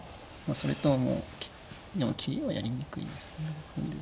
それとはもうでも切りはやりにくいですよね。